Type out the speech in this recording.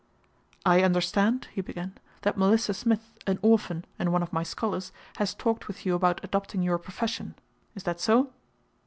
"I understand," he began, "that Melissa Smith, an orphan, and one of my scholars, has talked with you about adopting your profession. Is that so?"